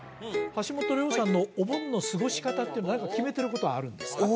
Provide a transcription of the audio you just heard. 橋本涼さんのお盆の過ごし方って何か決めてることはあるんですか？